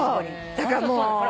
だからもう。